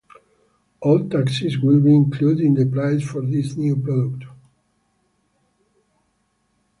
All taxes will be included in the price for this new product.